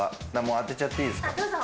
当てちゃっていいですか？